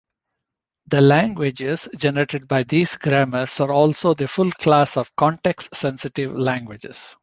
The languages generated by these grammars are also the full class of context-sensitive languages.